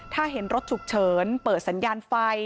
ถ้าเห็นรถฉุกเฉินเปิดสัญญาณไฟ